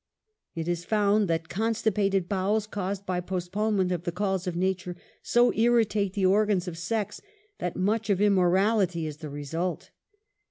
It is found that constipated bowels caused by post / ponement of the calls of nature so irritates the organs. I. of sex, that much of immorality is the result.